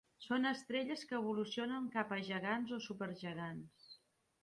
Són estrelles que evolucionen cap a gegants o supergegants.